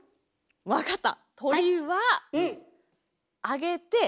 分かった！